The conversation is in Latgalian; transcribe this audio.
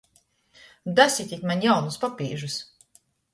Dasitit maņ jaunus papīžus!